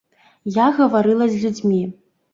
Я гаварыла з людзьмі.